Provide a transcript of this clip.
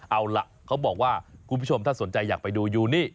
เอาล่ะเขาบอกว่าคุณผู้ชมถ้าสนใจอยากไปดูอยู่นี่